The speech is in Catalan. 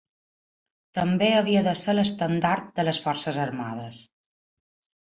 També havia de ser l'estendard de les forces armades.